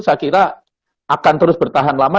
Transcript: saya kira akan terus bertahan lama